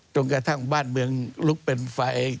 กระทั่งบ้านเมืองลุกเป็นไฟ